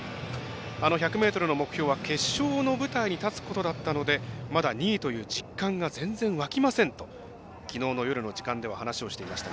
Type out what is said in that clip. １００ｍの目標は決勝の舞台に立つことだったのでまだ２位という実感が湧きませんときのうの夜は話をしていました。